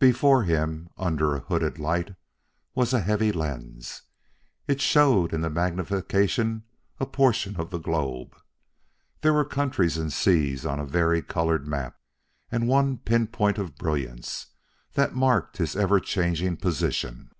Before him, under a hooded light, was a heavy lens. It showed in magnification a portion of the globe. There were countries and seas on a vari colored map, and one pin point of brilliance that marked his ever changing position.